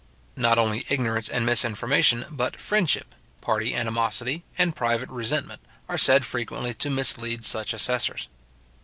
Not only ignorance and misinformation, but friendship, party animosity, and private resentment, are said frequently to mislead such assessors.